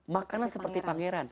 makanlah seperti pangeran